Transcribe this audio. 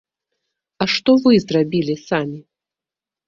А што вы зрабілі самі?